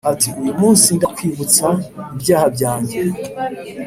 Ati uyu munsi ndakwibutsa ibyaha byanjye